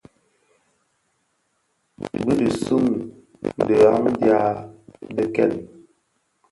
Bi dhi suň dhighan dya dhi nken.